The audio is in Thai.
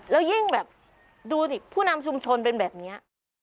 แล้วยิ่งแบบดูดิผู้นำชุมชนเป็นแบบนี้